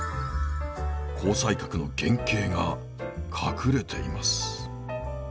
紅彩閣の原型が隠れています。